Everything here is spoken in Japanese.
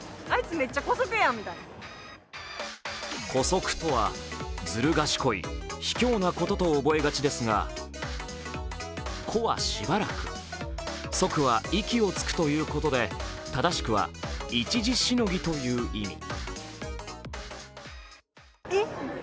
姑息とは、ずる賢い、卑怯なことと覚えがちですが「姑」はしばらく、「息」は息をつくということで、正しくは一時しのぎという意味。